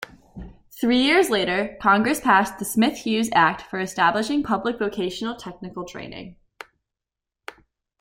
Three years later, Congress passed the Smith-Hughes Act for establishing public vocational technical training.